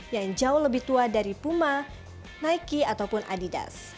yang jauh lebih tua dari puma nike ataupun adidas